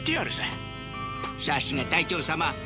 さすが隊長様